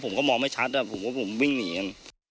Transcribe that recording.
ผมก็มองไม่ชัดผมก็ผมวิ่งหนีกัน